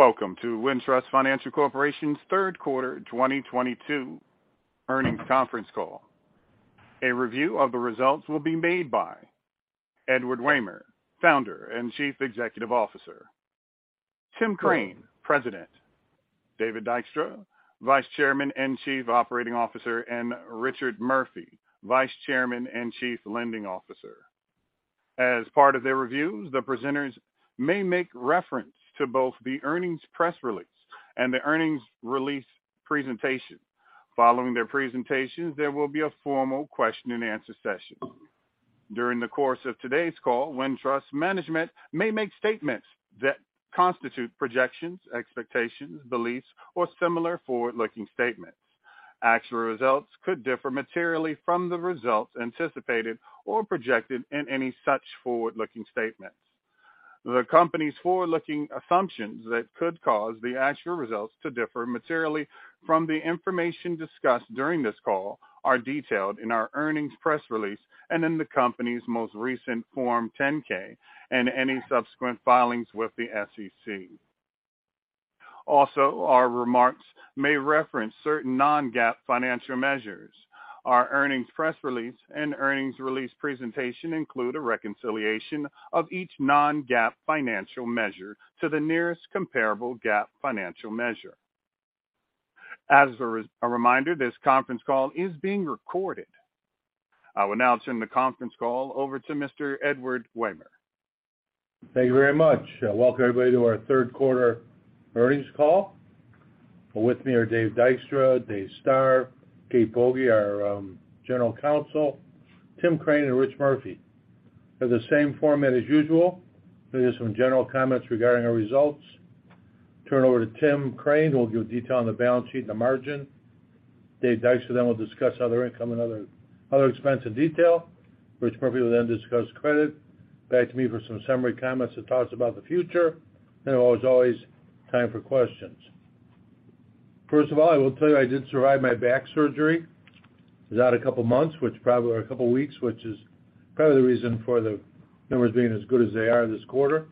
Welcome to Wintrust Financial Corporation's third quarter 2022 earnings conference call. A review of the results will be made by Edward Wehmer, Founder and Chief Executive Officer, Tim Crane, President, David Dykstra, Vice Chairman and Chief Operating Officer, and Richard Murphy, Vice Chairman and Chief Lending Officer. As part of their reviews, the presenters may make reference to both the earnings press release and the earnings release presentation. Following their presentations, there will be a formal question-and-answer session. During the course of today's call, Wintrust management may make statements that constitute projections, expectations, beliefs, or similar forward-looking statements. Actual results could differ materially from the results anticipated or projected in any such forward-looking statements. The company's forward-looking assumptions that could cause the actual results to differ materially from the information discussed during this call are detailed in our earnings press release and in the company's most recent Form 10-K and any subsequent filings with the SEC. Also, our remarks may reference certain non-GAAP financial measures. Our earnings press release and earnings release presentation include a reconciliation of each non-GAAP financial measure to the nearest comparable GAAP financial measure. As a reminder, this conference call is being recorded. I will now turn the conference call over to Mr. Edward Wehmer. Thank you very much. Welcome everybody to our third quarter earnings call. With me are Dave Dykstra, Dave Starr, Kate Boege, our General Counsel, Tim Crane and Rich Murphy. It's the same format as usual. We'll hear some general comments regarding our results. Turn it over to Tim Crane, who will give detail on the balance sheet and the margin. Dave Dykstra then will discuss other income and other expense in detail, which probably will then discuss credit. Back to me for some summary comments and talks about the future, and there's always time for questions. First of all, I will tell you, I did survive my back surgery. Was out a couple of weeks, which is probably the reason for the numbers being as good as they are this quarter.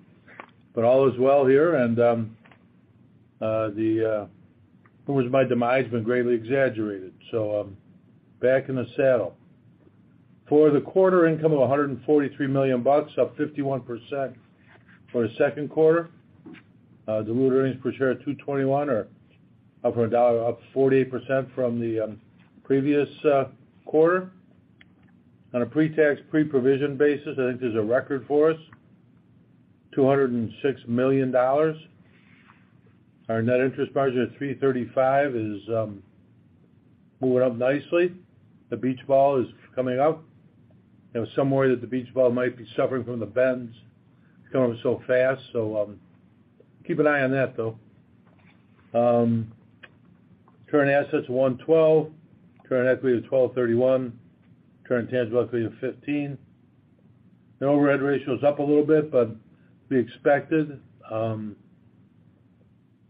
All is well here and the rumors of my demise have been greatly exaggerated. I'm back in the saddle. For the quarter income of $143 million, up 51% for the second quarter. Diluted earnings per share at $2.21 are up $1, up 48% from the previous quarter. On a pre-tax, pre-provision basis, I think there's a record for us, $206 million. Our net interest margin at 3.35% is moving up nicely. The beach ball is coming up. There was some worry that the beach ball might be suffering from the bends coming so fast. Keep an eye on that, though. Current assets $1.12. Current equity is $12.31. Current tangible equity of $15. The overhead ratio is up a little bit, but to be expected. On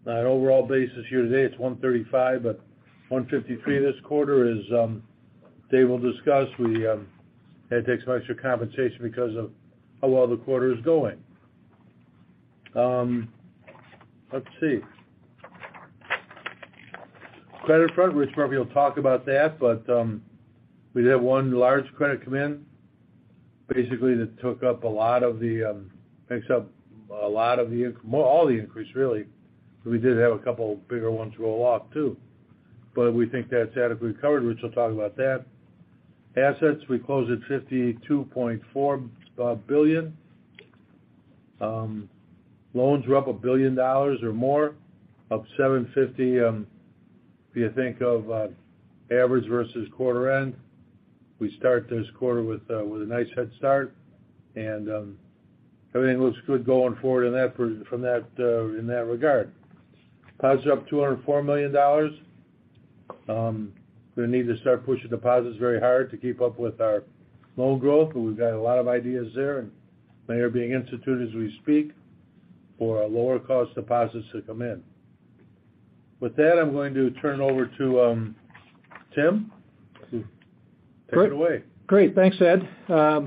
an overall basis here today, it's 1.35%, but 1.53% this quarter is, Dave will discuss. We had to take some extra compensation because of how well the quarter is going. Let's see. Credit front, Rich Murphy will talk about that, but we did have one large credit come in. Basically, that makes up a lot of the increase, really. So we did have a couple bigger ones roll off, too. We think that's adequately covered. Rich will talk about that. Assets, we closed at $52.4 billion. Loans were up $1 billion or more, up $750 million. If you think of average versus quarter end, we start this quarter with a nice head start, and everything looks good going forward in that regard. Deposits are up $204 million. We're gonna need to start pushing deposits very hard to keep up with our loan growth, but we've got a lot of ideas there and they are being instituted as we speak for our lower cost deposits to come in. With that, I'm going to turn over to Tim Crane. Take it away. Great. Thanks, Ed. A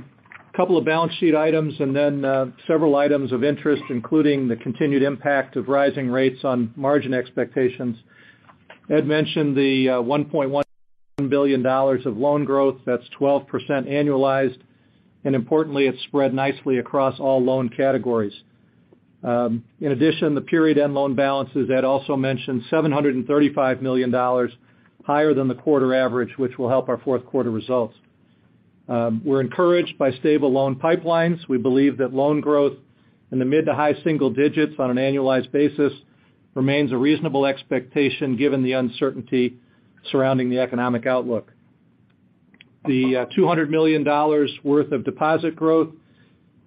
couple of balance sheet items and then several items of interest, including the continued impact of rising rates on margin expectations. Ed mentioned the $1.1 billion of loan growth. That's 12% annualized, and importantly, it's spread nicely across all loan categories. In addition, the period-end loan balances, Ed also mentioned $735 million higher than the quarter average, which will help our fourth quarter results. We're encouraged by stable loan pipelines. We believe that loan growth in the mid- to high-single digits on an annualized basis remains a reasonable expectation given the uncertainty surrounding the economic outlook. The $200 million worth of deposit growth,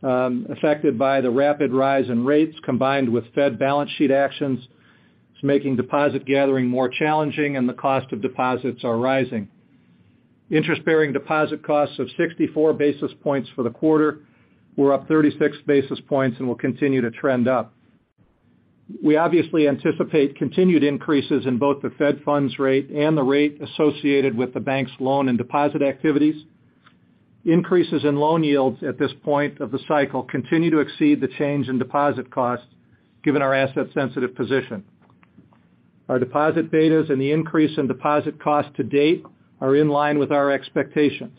affected by the rapid rise in rates combined with Fed balance sheet actions is making deposit gathering more challenging and the cost of deposits are rising. Interest-bearing deposit costs of 64 basis points for the quarter were up 36 basis points and will continue to trend up. We obviously anticipate continued increases in both the Fed funds rate and the rate associated with the bank's loan and deposit activities. Increases in loan yields at this point of the cycle continue to exceed the change in deposit costs given our asset sensitive position. Our deposit betas and the increase in deposit costs to date are in line with our expectations.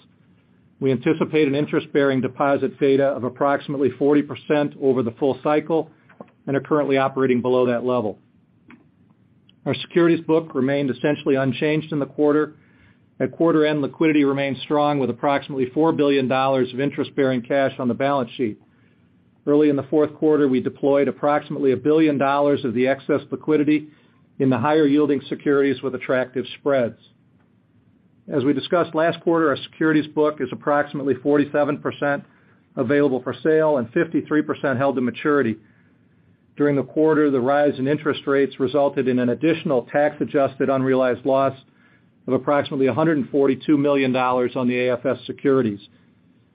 We anticipate an interest-bearing deposit beta of approximately 40% over the full cycle and are currently operating below that level. Our securities book remained essentially unchanged in the quarter. At quarter-end, liquidity remained strong with approximately $4 billion of interest-bearing cash on the balance sheet. Early in the fourth quarter, we deployed approximately $1 billion of the excess liquidity in the higher yielding securities with attractive spreads. As we discussed last quarter, our securities book is approximately 47% available for sale and 53% held to maturity. During the quarter, the rise in interest rates resulted in an additional tax-adjusted unrealized loss of approximately $142 million on the AFS securities.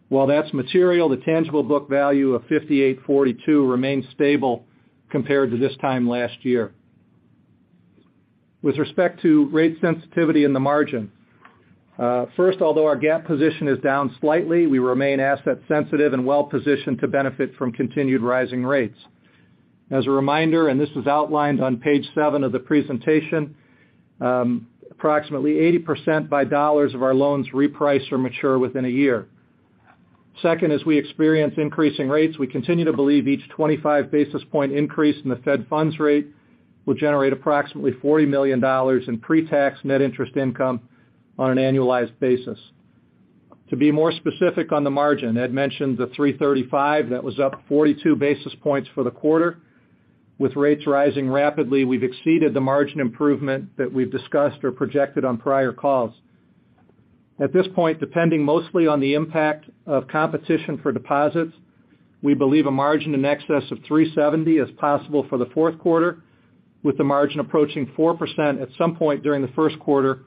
While that's material, the tangible book value of $58.42 remains stable compared to this time last year. With respect to rate sensitivity in the margin, first, although our gap position is down slightly, we remain asset sensitive and well-positioned to benefit from continued rising rates. As a reminder, this was outlined on page seven of the presentation, approximately 80% by dollars of our loans reprice or mature within a year. Second, as we experience increasing rates, we continue to believe each 25 basis point increase in the Fed funds rate will generate approximately $40 million in pre-tax net interest income on an annualized basis. To be more specific on the margin, Ed mentioned the 3.35. That was up 42 basis points for the quarter. With rates rising rapidly, we've exceeded the margin improvement that we've discussed or projected on prior calls. At this point, depending mostly on the impact of competition for deposits, we believe a margin in excess of 3.70% is possible for the fourth quarter, with the margin approaching 4% at some point during the first quarter,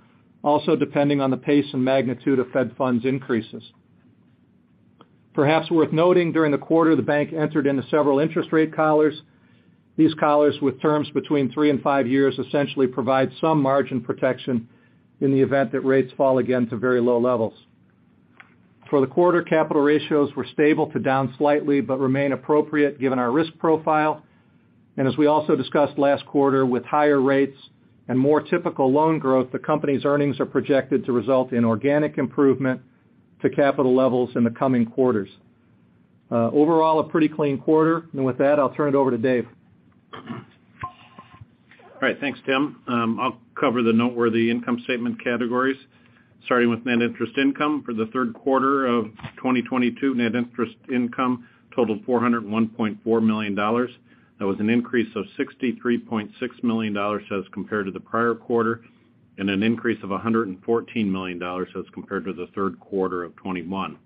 also depending on the pace and magnitude of Fed funds increases. Perhaps worth noting, during the quarter, the bank entered into several interest rate collars. These collars, with terms between three and five years, essentially provide some margin protection in the event that rates fall again to very low levels. For the quarter, capital ratios were stable to down slightly but remain appropriate given our risk profile. As we also discussed last quarter, with higher rates and more typical loan growth, the company's earnings are projected to result in organic improvement to capital levels in the coming quarters. Overall, a pretty clean quarter. With that, I'll turn it over to Dave. All right. Thanks, Tim. I'll cover the noteworthy income statement categories, starting with net interest income. For the third quarter of 2022, net interest income totaled $401.4 million. That was an increase of $63.6 million as compared to the prior quarter, and an increase of $114 million as compared to the third quarter of 2021.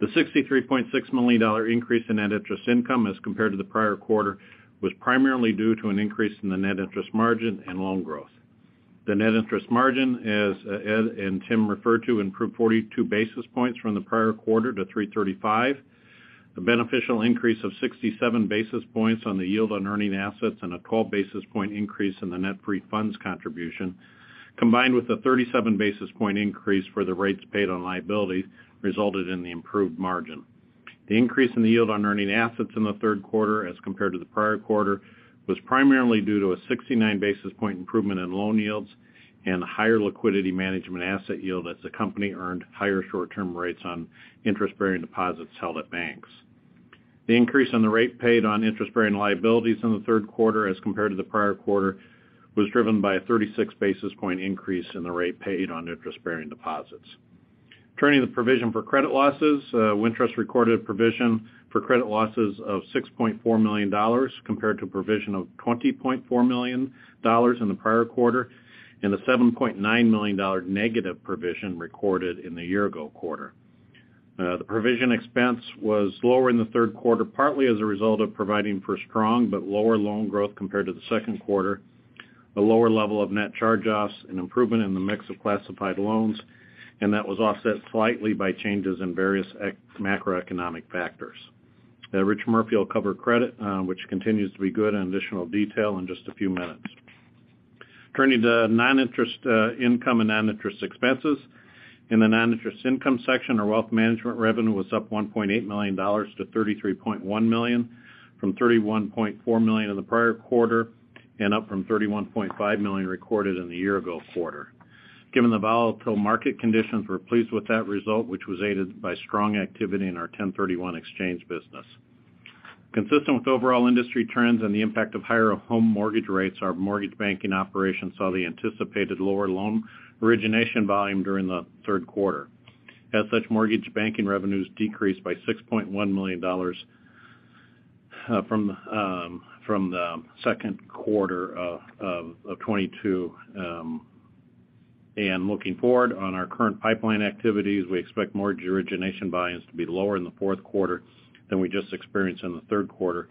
The $63.6 million increase in net interest income as compared to the prior quarter was primarily due to an increase in the net interest margin and loan growth. The net interest margin, as Ed and Tim referred to, improved 42 basis points from the prior quarter to 3.35%. The beneficial increase of 67 basis points on the yield on earning assets and a 12 basis point increase in the net free funds contribution, combined with the 37 basis point increase for the rates paid on liabilities, resulted in the improved margin. The increase in the yield on earning assets in the third quarter as compared to the prior quarter was primarily due to a 69 basis point improvement in loan yields and higher liquidity management asset yield as the company earned higher short-term rates on interest-bearing deposits held at banks. The increase on the rate paid on interest-bearing liabilities in the third quarter as compared to the prior quarter was driven by a 36 basis point increase in the rate paid on interest-bearing deposits. Turning to the provision for credit losses, Wintrust recorded a provision for credit losses of $6.4 million compared to a provision of $20.4 million in the prior quarter and a $7.9 million negative provision recorded in the year ago quarter. The provision expense was lower in the third quarter, partly as a result of providing for strong but lower loan growth compared to the second quarter, a lower level of net charge-offs, an improvement in the mix of classified loans, and that was offset slightly by changes in various macroeconomic factors. Rich Murphy will cover credit, which continues to be good, in additional detail in just a few minutes. Turning to non-interest income and non-interest expenses. In the non-interest income section, our wealth management revenue was up $1.8 million to $33.1 million, from $31.4 million in the prior quarter and up from $31.5 million recorded in the year ago quarter. Given the volatile market conditions, we're pleased with that result, which was aided by strong activity in our 1031 exchange business. Consistent with overall industry trends and the impact of higher home mortgage rates, our mortgage banking operation saw the anticipated lower loan origination volume during the third quarter. As such, mortgage banking revenues decreased by $6.1 million from the second quarter of 2022. Looking forward, on our current pipeline activities, we expect mortgage origination volumes to be lower in the fourth quarter than we just experienced in the third quarter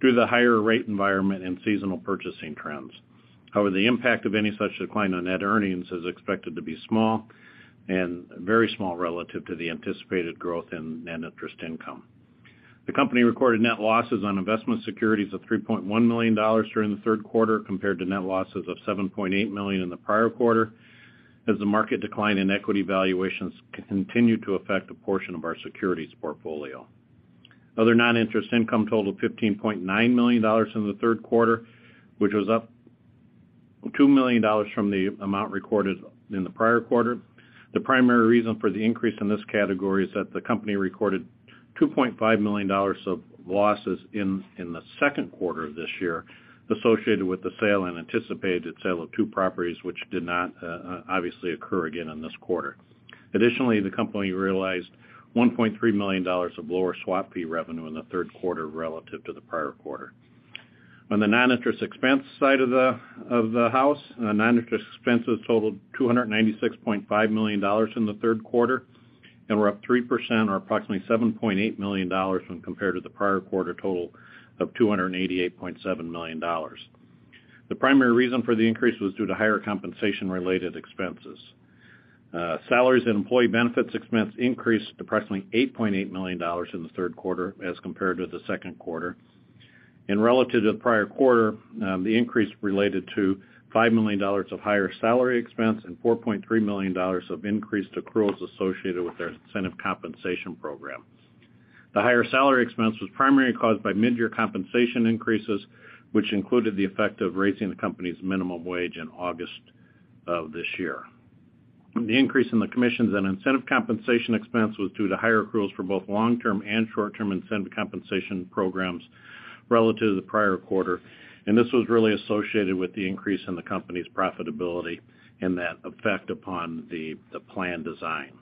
due to the higher rate environment and seasonal purchasing trends. However, the impact of any such decline on net earnings is expected to be small and very small relative to the anticipated growth in net interest income. The company recorded net losses on investment securities of $3.1 million during the third quarter compared to net losses of $7.8 million in the prior quarter as the market decline in equity valuations continued to affect a portion of our securities portfolio. Other non-interest income totaled $15.9 million in the third quarter, which was up $2 million from the amount recorded in the prior quarter. The primary reason for the increase in this category is that the company recorded $2.5 million of losses in the second quarter of this year associated with the sale and anticipated sale of two properties which did not obviously occur again in this quarter. Additionally, the company realized $1.3 million of lower swap fee revenue in the third quarter relative to the prior quarter. On the noninterest expense side of the house, noninterest expenses totaled $296.5 million in the third quarter and were up 3% or approximately $7.8 million when compared to the prior quarter total of $288.7 million. The primary reason for the increase was due to higher compensation-related expenses. Salaries and employee benefits expense increased approximately $8.8 million in the third quarter as compared to the second quarter. Relative to the prior quarter, the increase related to $5 million of higher salary expense and $4.3 million of increased accruals associated with our incentive compensation program. The higher salary expense was primarily caused by midyear compensation increases which included the effect of raising the company's minimum wage in August of this year. The increase in the commissions and incentive compensation expense was due to higher accruals for both long-term and short-term incentive compensation programs relative to the prior quarter. This was really associated with the increase in the company's profitability and that effect upon the plan design.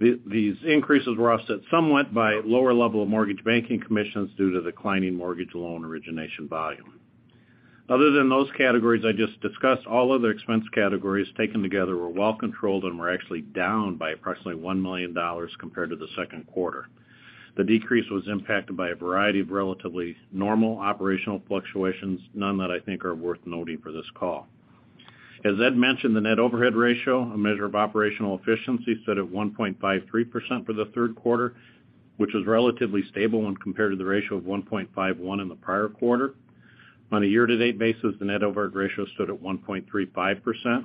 These increases were offset somewhat by lower level of mortgage banking commissions due to declining mortgage loan origination volume. Other than those categories I just discussed, all other expense categories taken together were well controlled and were actually down by approximately $1 million compared to the second quarter. The decrease was impacted by a variety of relatively normal operational fluctuations, none that I think are worth noting for this call. As Ed mentioned, the net overhead ratio, a measure of operational efficiency, stood at 1.53% for the third quarter, which was relatively stable when compared to the ratio of 1.51 in the prior quarter. On a year-to-date basis, the net overhead ratio stood at 1.35%.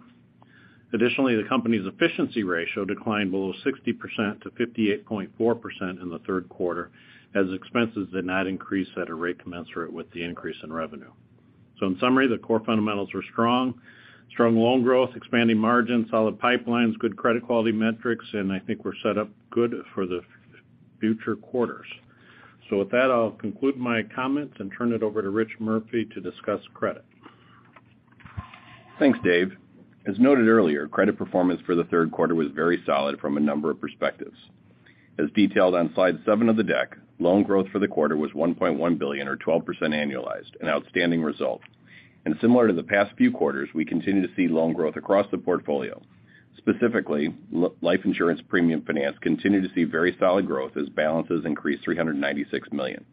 Additionally, the company's efficiency ratio declined below 60% -58.4% in the third quarter as expenses did not increase at a rate commensurate with the increase in revenue. In summary, the core fundamentals were strong. Strong loan growth, expanding margins, solid pipelines, good credit quality metrics, and I think we're set up good for the future quarters. With that, I'll conclude my comments and turn it over to Rich Murphy to discuss credit. Thanks, Dave. As noted earlier, credit performance for the third quarter was very solid from a number of perspectives. As detailed on slide seven of the deck, loan growth for the quarter was $1.1 billion or 12% annualized, an outstanding result. Similar to the past few quarters, we continue to see loan growth across the portfolio. Specifically, Life Insurance Premium Finance continued to see very solid growth as balances increased $396 million.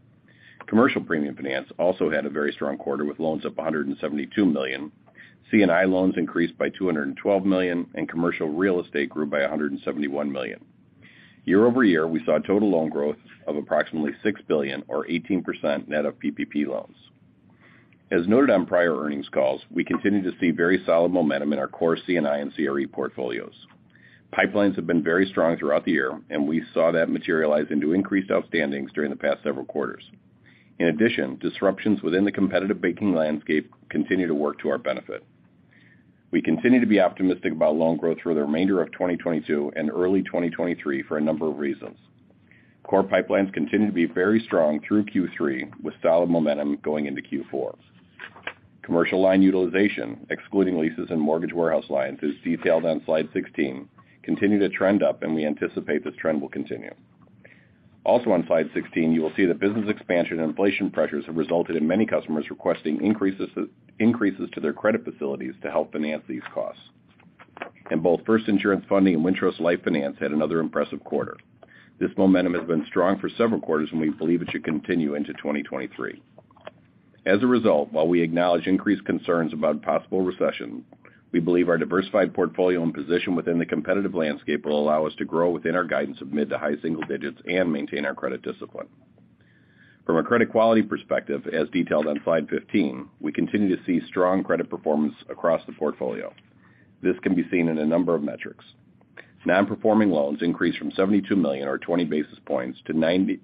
Commercial Premium Finance also had a very strong quarter with loans up $172 million. C&I loans increased by $212 million, and commercial real estate grew by $171 million. Year-over-year, we saw total loan growth of approximately $6 billion or 18% net of PPP loans. As noted on prior earnings calls, we continue to see very solid momentum in our core C&I and CRE portfolios. Pipelines have been very strong throughout the year, and we saw that materialize into increased outstandings during the past several quarters. In addition, disruptions within the competitive banking landscape continue to work to our benefit. We continue to be optimistic about loan growth for the remainder of 2022 and early 2023 for a number of reasons. Core pipelines continue to be very strong through Q3 with solid momentum going into Q4. Commercial line utilization, excluding leases and mortgage warehouse lines, as detailed on slide 16, continue to trend up, and we anticipate this trend will continue. Also on slide 16, you will see that business expansion and inflation pressures have resulted in many customers requesting increases to their credit facilities to help finance these costs. Both FIRST Insurance Funding and Wintrust Life Finance had another impressive quarter. This momentum has been strong for several quarters, and we believe it should continue into 2023. As a result, while we acknowledge increased concerns about possible recession, we believe our diversified portfolio and position within the competitive landscape will allow us to grow within our guidance of mid to high single digits and maintain our credit discipline. From a credit quality perspective, as detailed on slide 15, we continue to see strong credit performance across the portfolio. This can be seen in a number of metrics. Non-performing loans increased from $72 million or 20 basis points to $98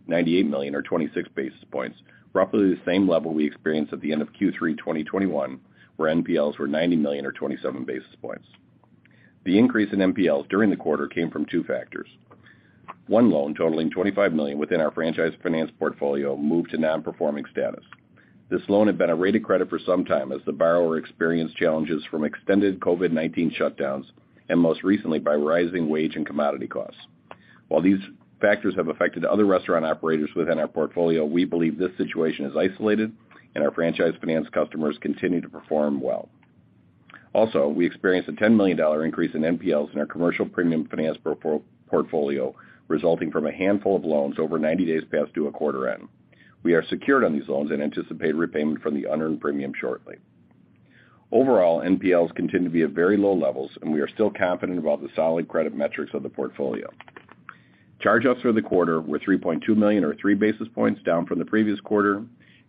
million or 26 basis points, roughly the same level we experienced at the end of Q3 2021, where NPLs were $90 million or 27 basis points. The increase in NPLs during the quarter came from two factors. One loan totaling $25 million within our franchise finance portfolio moved to non-performing status. This loan had been a rated credit for some time as the borrower experienced challenges from extended COVID-19 shutdowns and most recently by rising wage and commodity costs. While these factors have affected other restaurant operators within our portfolio, we believe this situation is isolated and our franchise finance customers continue to perform well. Also, we experienced a $10 million increase in NPLs in our Commercial Premium Finance portfolio, resulting from a handful of loans over 90 days past due at quarter end. We are secured on these loans and anticipate repayment from the unearned premium shortly. Overall, NPLs continue to be at very low levels, and we are still confident about the solid credit metrics of the portfolio. Charge-offs for the quarter were $3.2 million, or 3 basis points down from the previous quarter.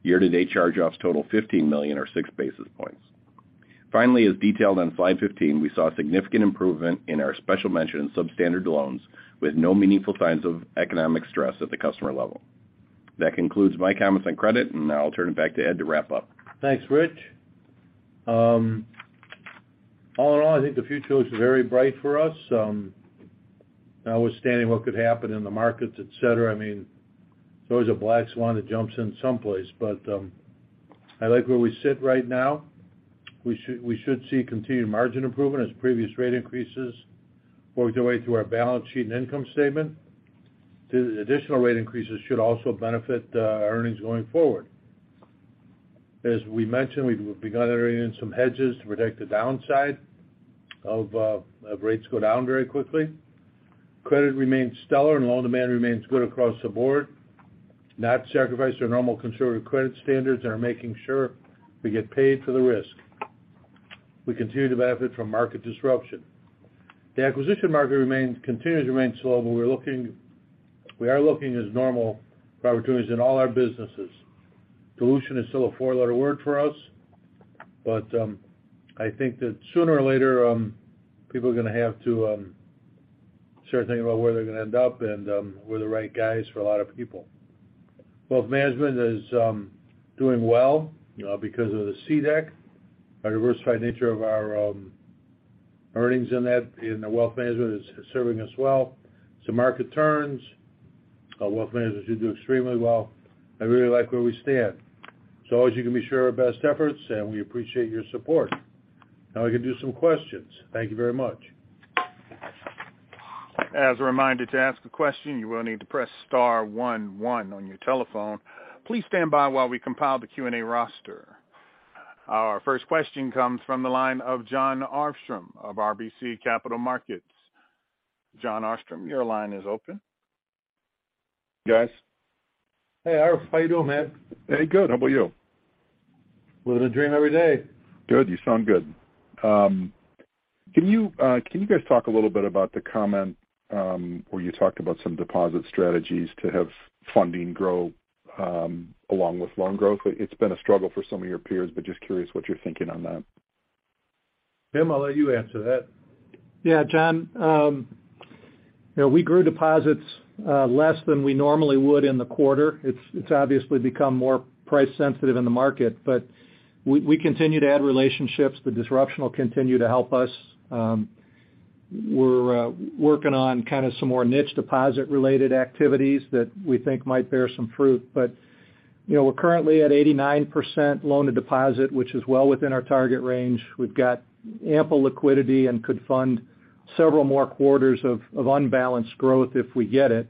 Year-to-date charge-offs total $15 million or 6 basis points. Finally, as detailed on slide 15, we saw significant improvement in our special mention and substandard loans with no meaningful signs of economic stress at the customer level. That concludes my comments on credit, and now I'll turn it back to Ed to wrap up. Thanks, Rich. All in all, I think the future looks very bright for us, notwithstanding what could happen in the markets, et cetera. I mean, there's always a black swan that jumps in some place. I like where we sit right now. We should see continued margin improvement as previous rate increases work their way through our balance sheet and income statement. The additional rate increases should also benefit earnings going forward. As we mentioned, we've begun entering into some hedges to protect the downside if rates go down very quickly. Credit remains stellar and loan demand remains good across the board, not sacrificing our normal consumer credit standards and are making sure we get paid for the risk. We continue to benefit from market disruption. The acquisition market continues to remain slow, but we are looking as normal for opportunities in all our businesses. Dilution is still a four-letter word for us, but I think that sooner or later people are gonna have to start thinking about where they're gonna end up, and we're the right guys for a lot of people. Wealth management is doing well because of the CDEC. Our diversified nature of our earnings in that, in the wealth management is serving us well. As the market turns, our wealth management should do extremely well. I really like where we stand. As always, you can be sure our best efforts, and we appreciate your support. Now we can do some questions. Thank you very much. As a reminder, to ask a question, you will need to press star one one on your telephone. Please stand by while we compile the Q&A roster. Our first question comes from the line of Jon Arfstrom of RBC Capital Markets. Jon Arfstrom, your line is open. Guys. Hey, Arf. How you doing, man? Hey, good. How about you? Living the dream every day. Good. You sound good. Can you guys talk a little bit about the comment where you talked about some deposit strategies to have funding grow along with loan growth? It's been a struggle for some of your peers, but just curious what you're thinking on that. Tim, I'll let you answer that. Yeah, Jon. You know, we grew deposits less than we normally would in the quarter. It's obviously become more price sensitive in the market, but we continue to add relationships. The disruption will continue to help us. We're working on kind of some more niche deposit related activities that we think might bear some fruit. You know, we're currently at 89% loan to deposit, which is well within our target range. We've got ample liquidity and could fund several more quarters of unbalanced growth if we get it.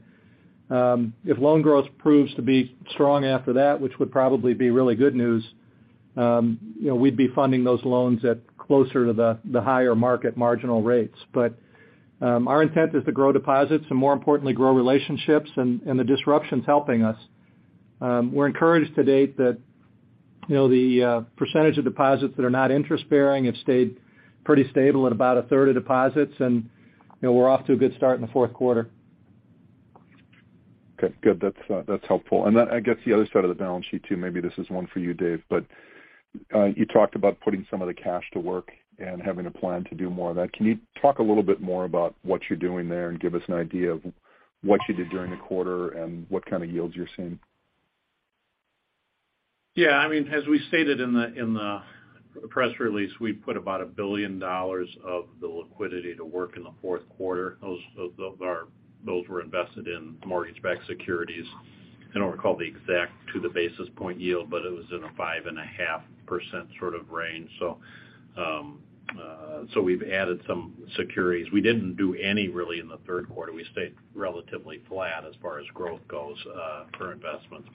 If loan growth proves to be strong after that, which would probably be really good news, you know, we'd be funding those loans at closer to the higher market marginal rates. Our intent is to grow deposits and more importantly, grow relationships and the disruption's helping us. We're encouraged to date that, you know, the percentage of deposits that are not interest bearing have stayed pretty stable at about a third of deposits. You know, we're off to a good start in the fourth quarter. Okay. Good. That's helpful. Then I guess the other side of the balance sheet too, maybe this is one for you, Dave. You talked about putting some of the cash to work and having a plan to do more of that. Can you talk a little bit more about what you're doing there and give us an idea of what you did during the quarter and what kind of yields you're seeing? Yeah. I mean, as we stated in the press release, we put about $1 billion of the liquidity to work in the fourth quarter. Those were invested in mortgage-backed securities. I don't recall the exact to the basis point yield, but it was in a 5.5% sort of range. We've added some securities. We didn't do any really in the third quarter. We stayed relatively flat as far as growth goes for investments.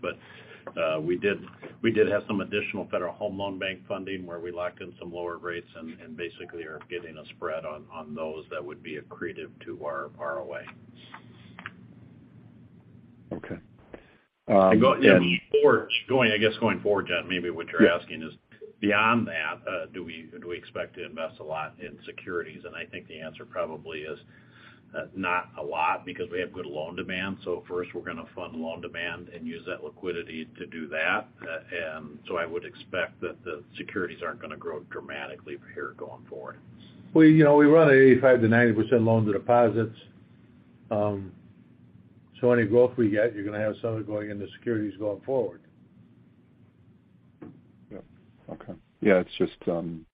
We did have some additional Federal Home Loan Bank funding where we locked in some lower rates and basically are getting a spread on those that would be accretive to our ROA. Okay. Going forward, Jon, maybe what you're asking is beyond that. Do we expect to invest a lot in securities? I think the answer probably is not a lot because we have good loan demand. First, we're gonna fund loan demand and use that liquidity to do that. I would expect that the securities aren't gonna grow dramatically here going forward. Well, you know, we run 85%-90% loans to deposits. Any growth we get, you're gonna have some of it going into securities going forward. Yeah. Okay. Yeah, it's just some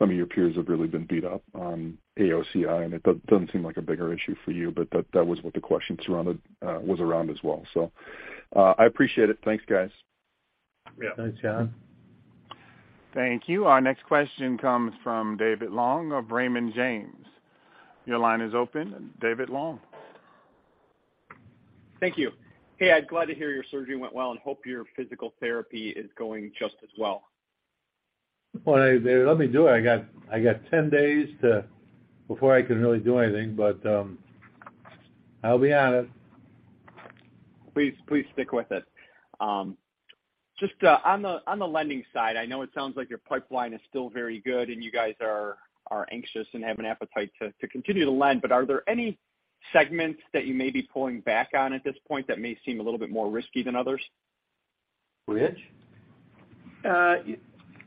of your peers have really been beat up on AOCI, and it doesn't seem like a bigger issue for you. But that was what the question was around as well. I appreciate it. Thanks, guys. Yeah. Thanks, Jon. Thank you. Our next question comes from David Long of Raymond James. Your line is open, David Long. Thank you. Hey, Ed, glad to hear your surgery went well and hope your physical therapy is going just as well. Well, they let me do it. I got 10 days before I can really do anything. I'll be at it. Please, stick with it. Just, on the lending side, I know it sounds like your pipeline is still very good, and you guys are anxious and have an appetite to continue to lend, but are there any segments that you may be pulling back on at this point that may seem a little bit more risky than others? Rich? Yeah.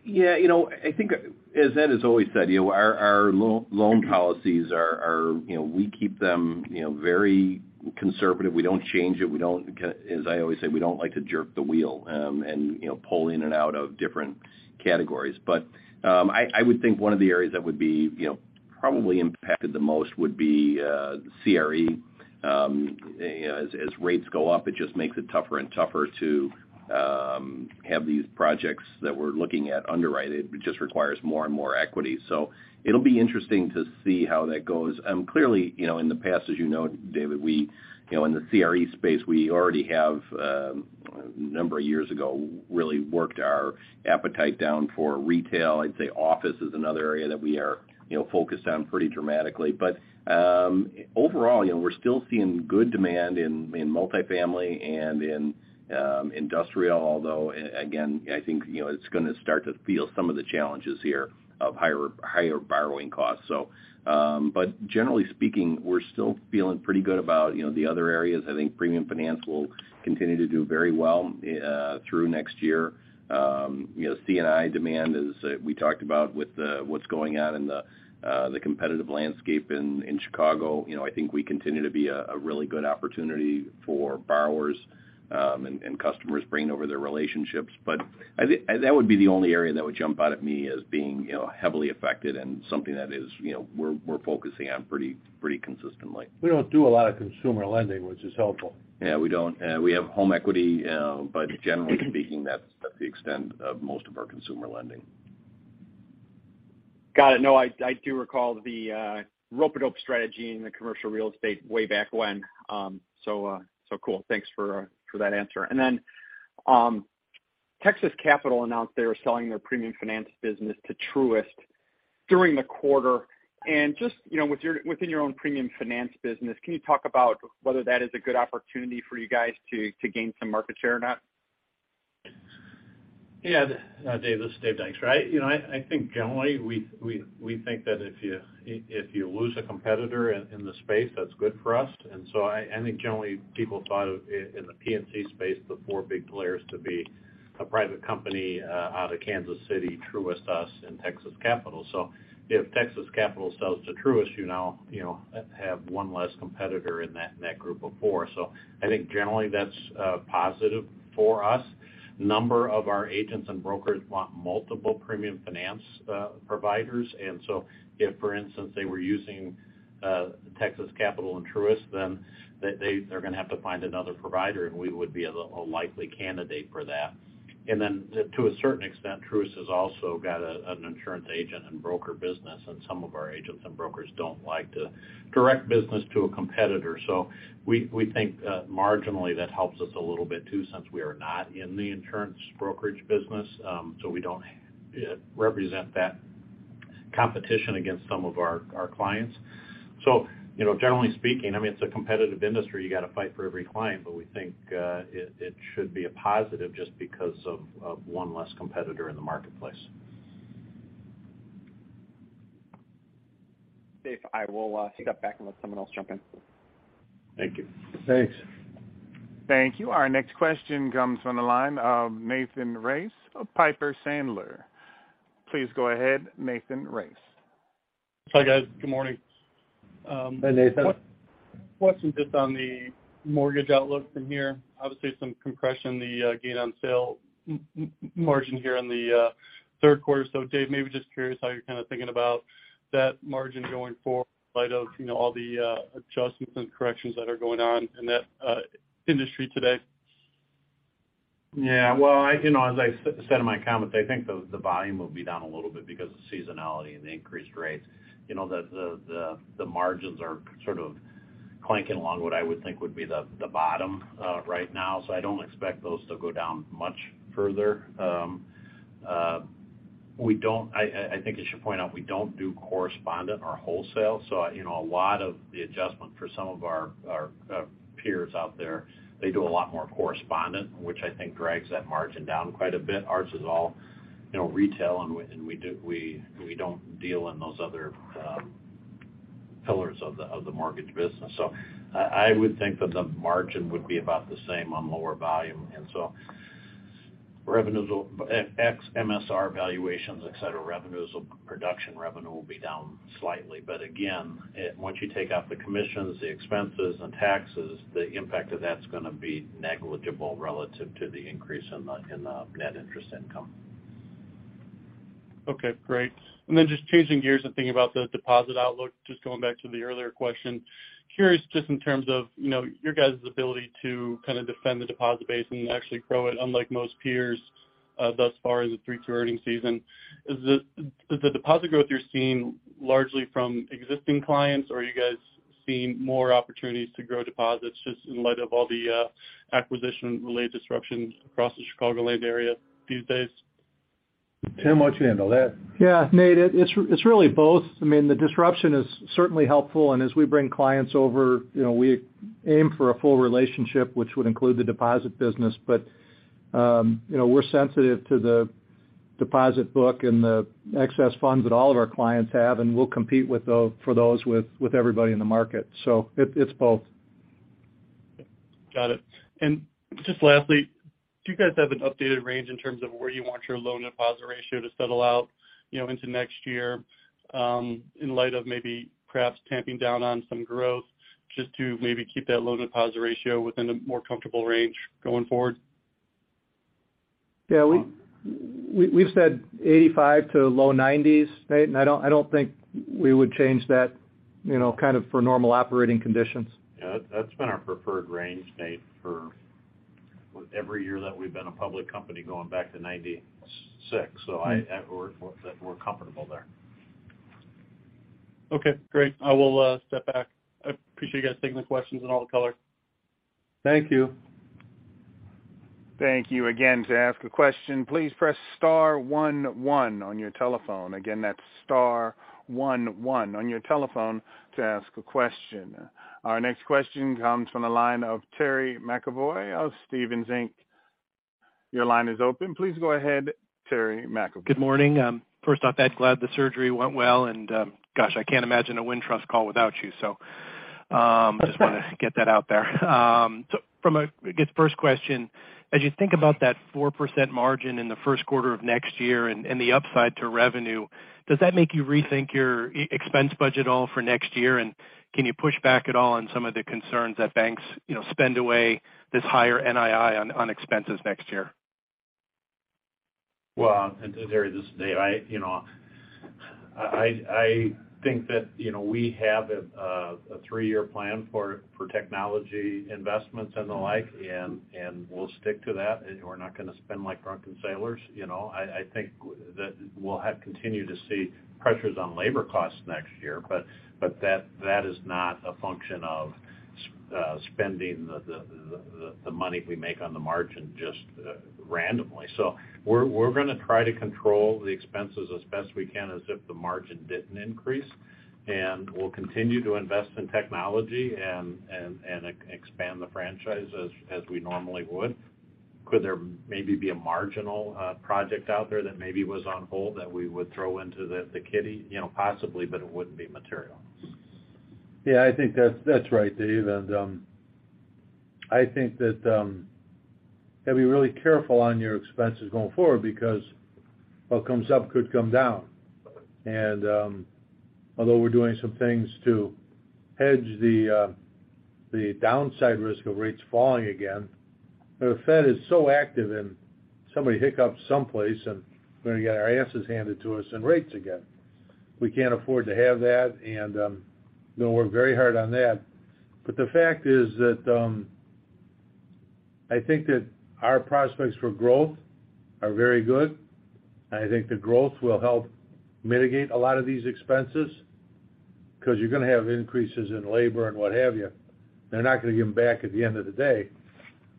You know, I think as Ed has always said, you know, our loan policies are, you know, we keep them, you know, very conservative. We don't change it. As I always say, we don't like to jerk the wheel, and, you know, pull in and out of different categories. I would think one of the areas that would be, you know, probably impacted the most would be CRE. As rates go up, it just makes it tougher and tougher to have these projects that we're looking at underwritten. It just requires more and more equity. It'll be interesting to see how that goes. Clearly, you know, in the past, as you know, David, we, you know, in the CRE space, we already have a number of years ago, really worked our appetite down for retail. I'd say office is another area that we are, you know, focused on pretty dramatically. Overall, you know, we're still seeing good demand in multifamily and in industrial, although again, I think, you know, it's gonna start to feel some of the challenges here of higher borrowing costs. Generally speaking, we're still feeling pretty good about, you know, the other areas. I think premium finance will continue to do very well through next year. You know, C&I demand is we talked about with what's going on in the competitive landscape in Chicago. You know, I think we continue to be a really good opportunity for borrowers and customers bringing over their relationships. But that would be the only area that would jump out at me as being, you know, heavily affected and something that is, you know, we're focusing on pretty consistently. We don't do a lot of consumer lending, which is helpful. Yeah, we don't. We have home equity, but generally speaking, that's the extent of most of our consumer lending. Got it. No, I do recall the rope-a-dope strategy in the commercial real estate way back when. Cool. Thanks for that answer. Texas Capital announced they were selling their premium finance business to Truist during the quarter. Just, you know, within your own premium finance business, can you talk about whether that is a good opportunity for you guys to gain some market share or not? Yeah. Dave, this is Dave Dykstra. Right. You know, I think generally we think that if you lose a competitor in the space, that's good for us. I think generally people thought of in the P&C space the four big players to be a private company out of Kansas City, Truist, us, and Texas Capital. If Texas Capital sells to Truist, you now, you know, have one less competitor in that group of four. I think generally that's positive for us. A number of our agents and brokers want multiple premium finance providers. If, for instance, they were using Texas Capital and Truist, then they're gonna have to find another provider, and we would be a likely candidate for that. To a certain extent, Truist has also got an insurance agent and broker business, and some of our agents and brokers don't like to direct business to a competitor. We think marginally that helps us a little bit too, since we are not in the insurance brokerage business, so we don't represent that competition against some of our clients. You know, generally speaking, I mean, it's a competitive industry. You got to fight for every client, but we think it should be a positive just because of one less competitor in the marketplace. Dave, I will step back and let someone else jump in. Thank you. Thanks. Thank you. Our next question comes from the line of Nathan Race of Piper Sandler. Please go ahead, Nathan Race. Hi, guys. Good morning. Hi, Nathan. Question just on the mortgage outlook from here. Obviously some compression, the gain on sale margin here in the third quarter. Dave, maybe just curious how you're kind of thinking about that margin going forward in light of, you know, all the adjustments and corrections that are going on in that industry today. Well, you know, as I said in my comments, I think the volume will be down a little bit because of seasonality and the increased rates. You know, the margins are sort of clinging along what I would think would be the bottom right now. I don't expect those to go down much further. I think I should point out we don't do correspondent or wholesale. You know, a lot of the adjustment for some of our peers out there, they do a lot more correspondent, which I think drags that margin down quite a bit. Ours is all, you know, retail, and we don't deal in those other pillars of the mortgage business. I would think that the margin would be about the same on lower volume. Revenues will ex MSR valuations, et cetera, production revenue will be down slightly. But again, once you take out the commissions, the expenses and taxes, the impact of that's gonna be negligible relative to the increase in the net interest income. Okay, great. Just changing gears and thinking about the deposit outlook, just going back to the earlier question. Curious just in terms of, you know, your guys' ability to kind of defend the deposit base and actually grow it, unlike most peers, thus far in the three-quarter earnings season. Is the deposit growth you're seeing largely from existing clients, or are you guys seeing more opportunities to grow deposits just in light of all the acquisition-related disruptions across the Chicagoland area these days? Tim, why don't you handle that? Yeah, Nathan, it's really both. I mean, the disruption is certainly helpful, and as we bring clients over, you know, we aim for a full relationship, which would include the deposit business. You know, we're sensitive to the deposit book and the excess funds that all of our clients have, and we'll compete for those with everybody in the market. It's both. Got it. Just lastly, do you guys have an updated range in terms of where you want your loan deposit ratio to settle out, you know, into next year, in light of maybe perhaps tamping down on some growth just to maybe keep that loan deposit ratio within a more comfortable range going forward? Yeah. We've said 85%-low 90s%, Nate, and I don't think we would change that, you know, kind of for normal operating conditions. That's been our preferred range, Nathan, for every year that we've been a public company going back to 1996. We're comfortable there. Okay, great. I will step back. I appreciate you guys taking the questions and all the color. Thank you. Thank you. Again, to ask a question, please press star one one on your telephone. Again, that's star one one on your telephone to ask a question. Our next question comes from the line of Terry McEvoy of Stephens Inc. Your line is open. Please go ahead, Terry McEvoy. Good morning. First off, Ed, glad the surgery went well, and gosh, I can't imagine a Wintrust call without you. Just wanted to get that out there. From a, I guess, first question, as you think about that 4% margin in the first quarter of next year and the upside to revenue, does that make you rethink your expense budget at all for next year? And can you push back at all on some of the concerns that banks, you know, spend away this higher NII on expenses next year? Well, Terry, this is Dave. You know, I think that, you know, we have a three-year plan for technology investments and the like, and we'll stick to that. We're not going to spend like drunken sailors, you know. I think that we'll continue to see pressures on labor costs next year, but that is not a function of spending the money we make on the margin just randomly. We're going to try to control the expenses as best we can as if the margin didn't increase. We'll continue to invest in technology and expand the franchise as we normally would. Could there maybe be a marginal project out there that maybe was on hold that we would throw into the kitty? You know, possibly, but it wouldn't be material. Yeah, I think that's right, Dave. I think that you have to be really careful on your expenses going forward because what comes up could come down. Although we're doing some things to hedge the downside risk of rates falling again, but the Fed is so active and somebody hiccups someplace, and we're going to get our asses handed to us in rates again. We can't afford to have that, and we're going to work very hard on that. The fact is that I think that our prospects for growth are very good. I think the growth will help mitigate a lot of these expenses because you're going to have increases in labor and what have you. They're not going to give them back at the end of the day.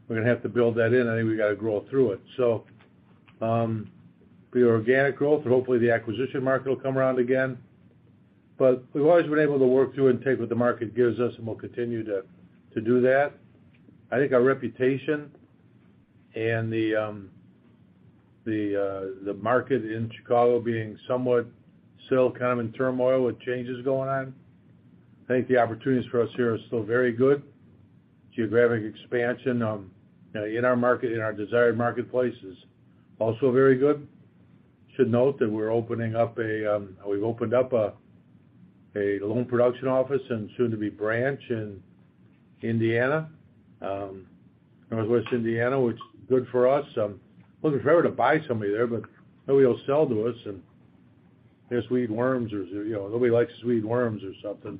We're going to have to build that in. I think we got to grow through it. Be it organic growth, but hopefully, the acquisition market will come around again. We've always been able to work through and take what the market gives us, and we'll continue to do that. I think our reputation and the market in Chicago being somewhat still kind of in turmoil with changes going on, I think the opportunities for us here are still very good. Geographic expansion, you know, in our market, in our desired marketplace is also very good. Should note that we've opened up a loan production office and soon to be branch in Indiana, Northwest Indiana, which is good for us. Wasn't fair to buy somebody there, but nobody will sell to us, and I guess we eat worms or, you know, nobody likes to eat worms or something.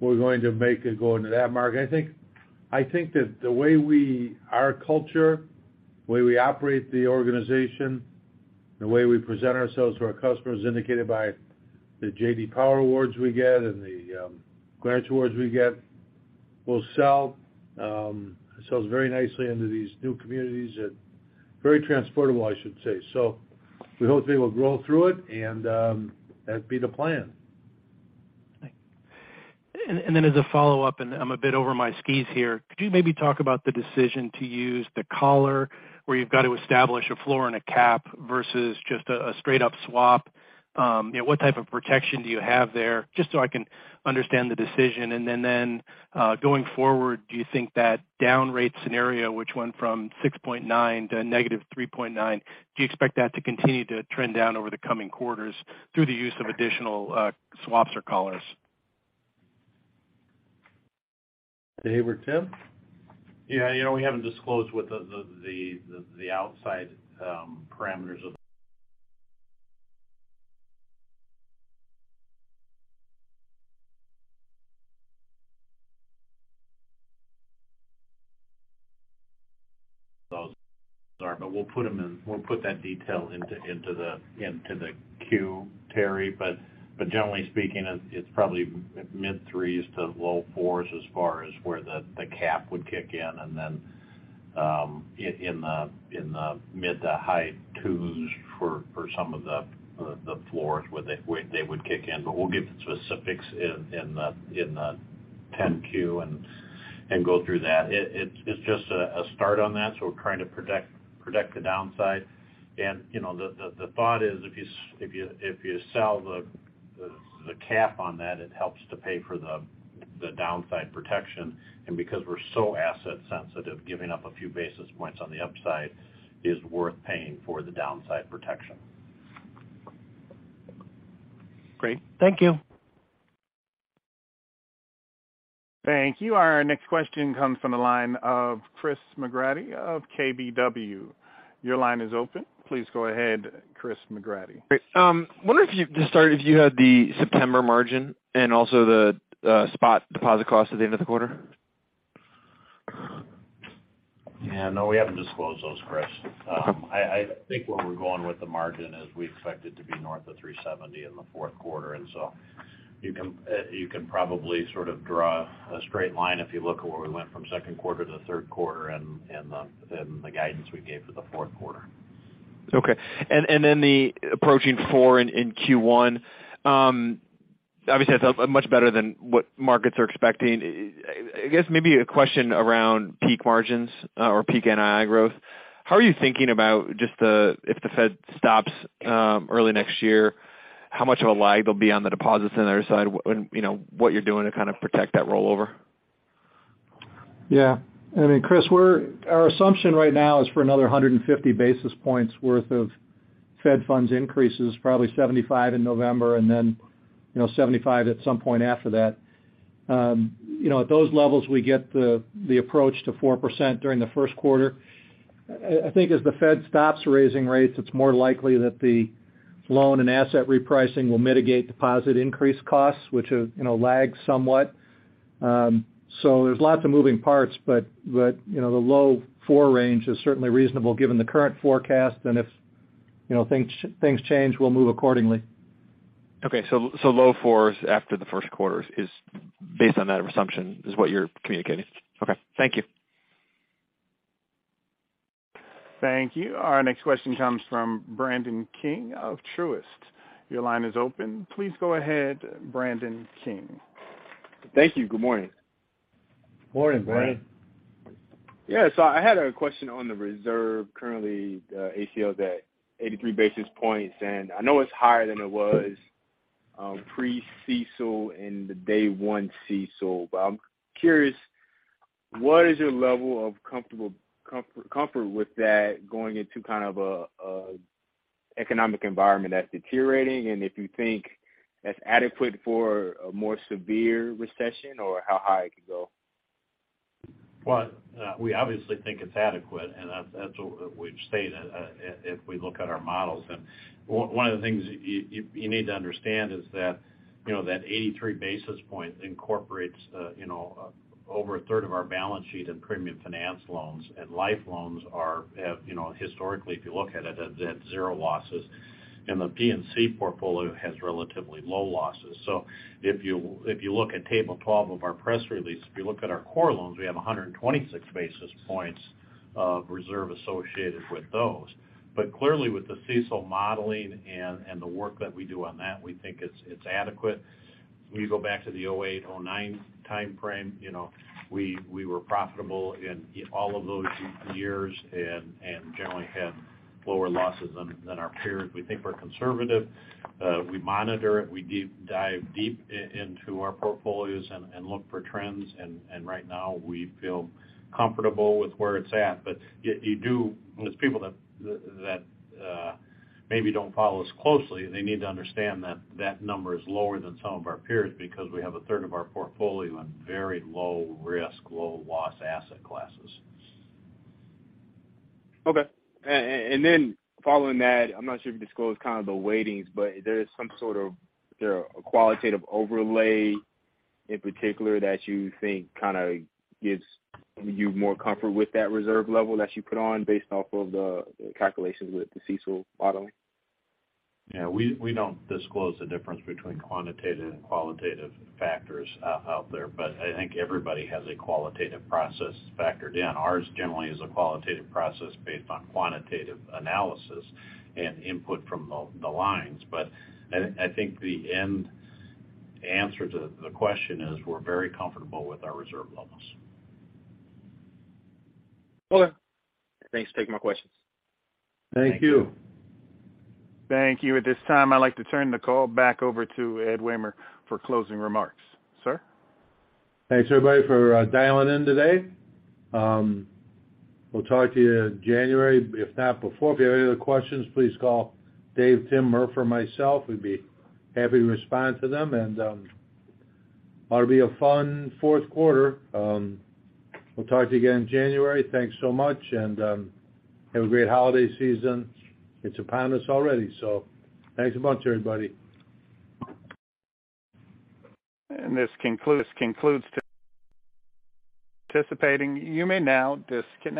We're going to make a go into that market. I think that the way we, our culture, the way we operate the organization, the way we present ourselves to our customers, indicated by the J.D. Power Awards we get and the Greenwich Awards we get, sells very nicely into these new communities that's very transportable, I should say. We hope they will grow through it and that'd be the plan. Then as a follow-up, and I'm a bit over my skis here. Could you maybe talk about the decision to use the collar, where you've got to establish a floor and a cap versus just a straight up swap? You know, what type of protection do you have there? Just so I can understand the decision. Going forward, do you think that down rate scenario, which went from 6.9% - -3.9%, do you expect that to continue to trend down over the coming quarters through the use of additional swaps or collars? Dave or Tim? Yeah. You know, we haven't disclosed what the outside parameters of those are. We'll put that detail into the Q, Terry. Generally speaking, it's probably mid-3s to low-4s as far as where the cap would kick in. In the mid- to high-2s for some of the floors where they would kick in. We'll give the specifics in the 10-Q and go through that. It's just a start on that, so we're trying to protect the downside. You know, the thought is if you sell the cap on that, it helps to pay for the downside protection. Because we're so asset sensitive, giving up a few basis points on the upside is worth paying for the downside protection. Great. Thank you. Thank you. Our next question comes from the line of Christopher McGratty of KBW. Your line is open. Please go ahead, Christopher McGratty. Great. To start, if you had the September margin and also the spot deposit cost at the end of the quarter? Yeah, no, we haven't disclosed those, Chris. I think where we're going with the margin is we expect it to be north of 370 in the fourth quarter. You can probably sort of draw a straight line if you look at where we went from second quarter to the third quarter and the guidance we gave for the fourth quarter. Okay. Then the approaching 4% in Q1 obviously that's much better than what markets are expecting. I guess maybe a question around peak margins or peak NII growth. How are you thinking about just if the Fed stops early next year, how much of a lag will be on the deposits on either side when, you know, what you're doing to kind of protect that rollover? Yeah. I mean, Chris, our assumption right now is for another 150 basis points worth of Fed funds increases, probably 75 in November and then, you know, 75 at some point after that. You know, at those levels, we get the approach to 4% during the first quarter. I think as the Fed stops raising rates, it's more likely that the loan and asset repricing will mitigate deposit increase costs, which is, you know, lag somewhat. So there's lots of moving parts, but you know, the low 4 range is certainly reasonable given the current forecast. If you know, things change, we'll move accordingly. Okay. Low fours after the first quarter is based on that assumption is what you're communicating. Okay. Thank you. Thank you. Our next question comes from Brandon King of Truist. Your line is open. Please go ahead, Brandon King. Thank you. Good morning. Morning, Brandon. Yeah. I had a question on the reserve. Currently, the ACL is at 83 basis points, and I know it's higher than it was pre-CECL and the day one CECL. But I'm curious, what is your level of comfort with that going into kind of an economic environment that's deteriorating, and if you think that's adequate for a more severe recession or how high it could go? Well, we obviously think it's adequate, and that's what we've stated if we look at our models. One of the things you need to understand is that, you know, that 83 basis points incorporates, you know, over a third of our balance sheet and premium finance loans. Life loans have, you know, historically, if you look at it, they've had 0 losses. The P&C portfolio has relatively low losses. If you look at table 12 of our press release, if you look at our core loans, we have 126 basis points of reserve associated with those. Clearly, with the CECL modeling and the work that we do on that, we think it's adequate. We go back to the 2008, 2009 timeframe, we were profitable in all of those years and generally had lower losses than our peers. We think we're conservative. We monitor it. We dive deep into our portfolios and look for trends. We feel comfortable with where it's at. With people that maybe don't follow us closely, they need to understand that number is lower than some of our peers because we have a third of our portfolio in very low risk, low loss asset classes. Okay. And then following that, I'm not sure if you disclosed kind of the weightings, but is there a qualitative overlay in particular that you think kinda gives you more comfort with that reserve level that you put on based off of the calculations with the CECL modeling? Yeah, we don't disclose the difference between quantitative and qualitative factors out there, but I think everybody has a qualitative process factored in. Ours generally is a qualitative process based on quantitative analysis and input from the lines. I think the end answer to the question is we're very comfortable with our reserve levels. Okay. Thanks for taking my questions. Thank you. Thank you. At this time, I'd like to turn the call back over to Ed Wehmer for closing remarks. Sir? Thanks, everybody, for dialing in today. We'll talk to you in January, if not before. If you have any other questions, please call Dave, Tim, Murph, or myself. We'd be happy to respond to them. Ought to be a fun fourth quarter. We'll talk to you again in January. Thanks so much and have a great holiday season. It's upon us already, so thanks a bunch, everybody. This concludes today's participation. You may now disconnect.